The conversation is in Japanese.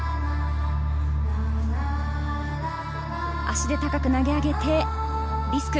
足で高く投げ上げてリスク。